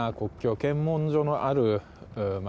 検問所のある街